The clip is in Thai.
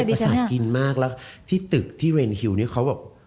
ประสาทกินมากแล้วที่ตึกที่เรนฮิวเนี่ยเขาบอก